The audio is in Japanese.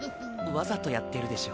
わざとやってるでしょ。